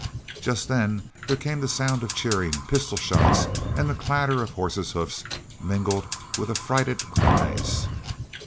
Just then there came the sound of cheering, pistol shots, and the clatter of horses' hoofs, mingled with affrighted cries.